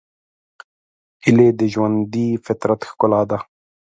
هیلۍ د ژوندي فطرت ښکلا ده